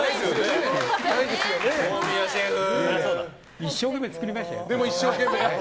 一生懸命作りましたよ。